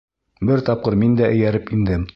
Бер тапҡыр мин дә эйәреп индем.